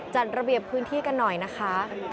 จัดระเบียบพื้นที่กันหน่อยนะคะ